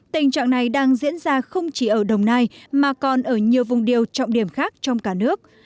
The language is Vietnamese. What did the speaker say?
tình trạng này đang diễn ra không chỉ ở đồng nai mà còn ở nhiều vùng điều trọng điểm khác trong cả nước